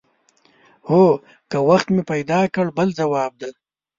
هو که وخت مې پیدا کړ بل ځواب دی.